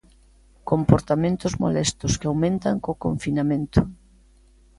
Comportamentos molestos que aumentan co confinamento.